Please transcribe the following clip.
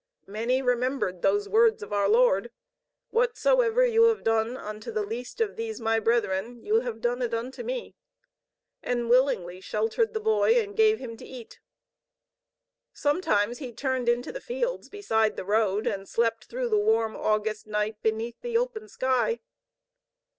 Many remembered those words of our Lord, "Whatsoever you have done unto the least of these my brethren, you have done it unto me," and willingly sheltered the boy and gave him to eat. Sometimes he turned into the fields beside the road and slept through the warm August night beneath the open sky.